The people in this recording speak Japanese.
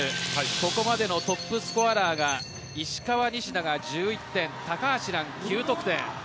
ここまでのトップスコアラーが石川、西田が１１点高橋藍、９得点。